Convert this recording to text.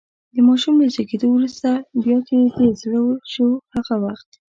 د ماشوم له زېږېدو وروسته، بیا چې دې زړه شو هغه وخت.